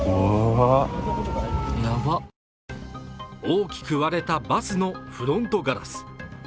大きく割れたバスのフロントガラス。